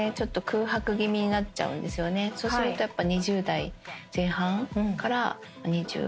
そうするとやっぱ。